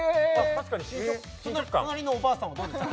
確かに新食感隣のおばあさんはどうですか？